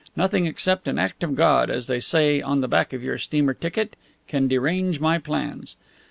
Nothing except an act of God as they say on the back of your steamer ticket can derange my plans.